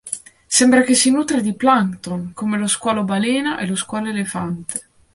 Sembra che si nutra di plancton, come lo squalo balena e lo squalo elefante.